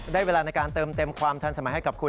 เวลาในการเติมเต็มความทันสมัยให้กับคุณ